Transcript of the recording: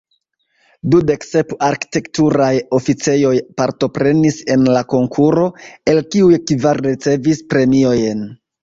Dudek sep arkitekturaj oficejoj partoprenis en la konkuro, el kiuj kvar ricevis premiojn.